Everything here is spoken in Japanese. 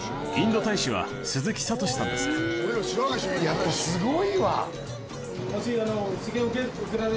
やっぱすごいわ！